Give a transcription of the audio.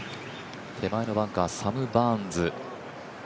手前のバンカーサム・バーンズ。